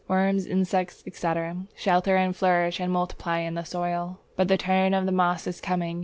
Worms, insects, etc., shelter and flourish and multiply in this soil. But the turn of the moss is coming.